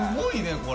これ。